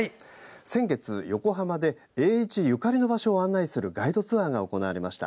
先月、横浜で栄一ゆかりの場所を案内するガイドツアーが行われました。